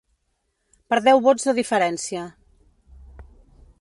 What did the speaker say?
Per deu vots de diferència.